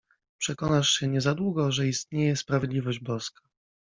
Przekonasz się niezadługo, że istnieje sprawiedliwość boska!